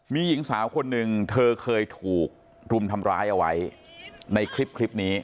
มีหญิงสาวคนหนึ่งเธอเคยถูกรุมทำร้ายเอาไว้ในคลิปนี้